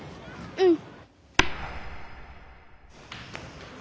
うん。